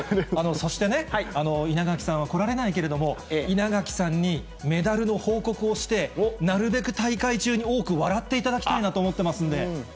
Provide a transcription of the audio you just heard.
そしてね、稲垣さんは来られないけれども、稲垣さんにメダルの報告をして、なるべく大会中に多く笑っていただきたいなと思ってますんで。